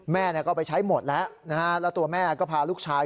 แม่ก็ไปใช้หมดแล้วนะฮะแล้วตัวแม่ก็พาลูกชาย